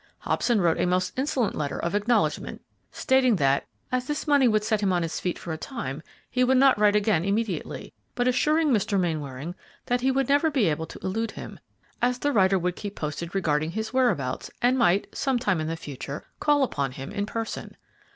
Hobson wrote a most insolent letter of acknowledgment, stating that, as this money would set him on his feet for a time, he would not write again immediately, but assuring Mr. Mainwaring that he would never be able to elude him, as the writer would keep posted regarding his whereabouts, and might, some time in the future, call upon him in person."